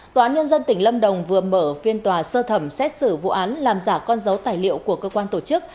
tòa án nhân dân tỉnh lâm đồng vừa mở phiên tòa sơ thẩm xét xử vụ án làm giả con dấu tài liệu của cơ quan tổ chức